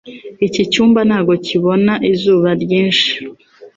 Iki cyumba ntabwo kibona izuba ryinshi.